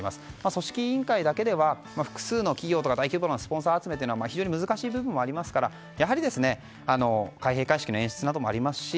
組織委員会だけだと複数の企業とか大規模なスポンサー集めが非常に難しい部分もありますから開閉会式の演出もありますし